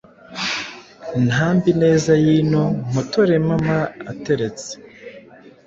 Ntambe ineza y'ino Mpotore Mpama ateretse,